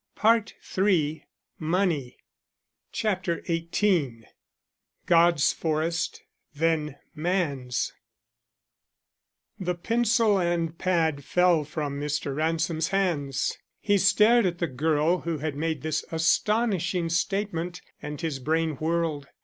PART III Money CHAPTER XVIII GOD'S FOREST, THEN MAN'S The pencil and pad fell from Mr. Ransom's hands. He stared at the girl who had made this astonishing statement, and his brain whirled.